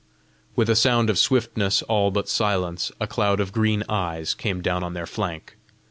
With a sound of swiftness all but silence, a cloud of green eyes came down on their flank.